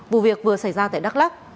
vụ việc vừa xảy ra tại đắk lắk